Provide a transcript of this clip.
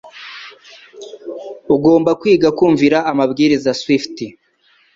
Ugomba kwiga kumvira amabwiriza (Swift)